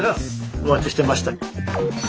お待ちしてました。